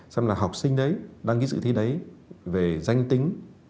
xem là học sinh đấy đăng ký dự thi đấy về danh tính